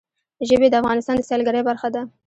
ژبې د افغانستان د سیلګرۍ برخه ده.